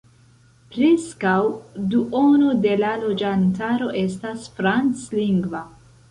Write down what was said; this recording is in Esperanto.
Preskaŭ duono de la loĝantaro estas franclingva.